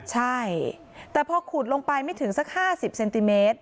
ใช่แต่พอขุดลงไปไม่ถึงสัก๕๐เซนติเมตร